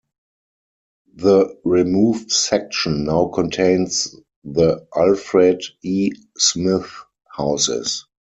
The removed section now contains the Alfred E. Smith Houses.